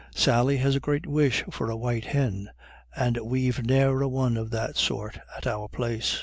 Sally has a great wish for a white hin, and we've ne'er a one of that sort at our place.